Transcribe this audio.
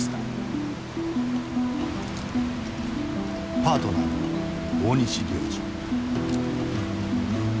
パートナーの大西良治。